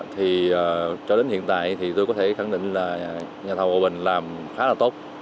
thì cho đến hiện tại thì tôi có thể khẳng định là nhà thầu hòa bình làm khá là tốt